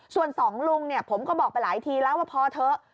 ส่วนสองลุงเนี่ยผมก็บอกไปหลายทีแล้วว่าพอเถอะ